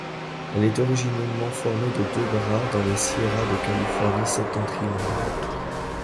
Elle est originellement formée de deux bras dans les Sierras de Californie septentrionale.